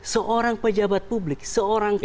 seorang pejabat publik seorang